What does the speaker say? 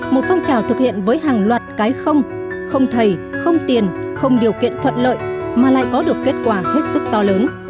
một phong trào thực hiện với hàng loạt cái không không thầy không tiền không điều kiện thuận lợi mà lại có được kết quả hết sức to lớn